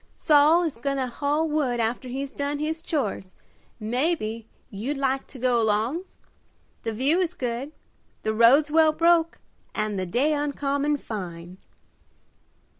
"Saul is goin' to haul wood after he's done his chores, mebbe you'd like to go along? The view is good, the roads well broke, and the day uncommon fine."